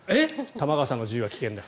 玉川さんの自由は危険だ。